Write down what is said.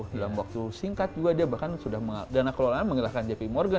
dalam waktu singkat juga dia bahkan sudah dana kelolaan mengilahkan jp morgan